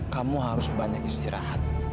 kamu harus banyak istirahat